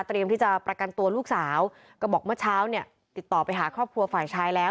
ที่จะประกันตัวลูกสาวก็บอกเมื่อเช้าเนี่ยติดต่อไปหาครอบครัวฝ่ายชายแล้ว